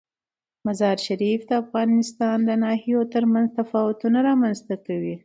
مزارشریف د افغانستان د ناحیو ترمنځ تفاوتونه رامنځ ته کوي.